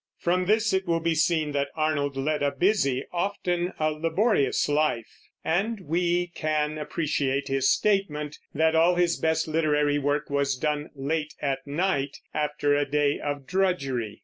From this it will be seen that Arnold led a busy, often a laborious life, and we can appreciate his statement that all his best literary work was done late at night, after a day of drudgery.